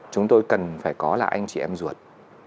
chúng tôi cần phải có là anh chị em ruột